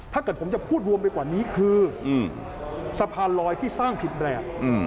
ถ้าเกิดผมจะพูดรวมไปกว่านี้คือสะพานลอยที่สร้างผิดแบบ